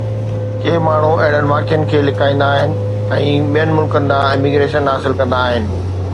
ڪي ماڻهو اهڙن واقعن کي لڪائيندا آهن ۽ ٻين ملڪن ڏانهن اميگريشن حاصل ڪندا آهن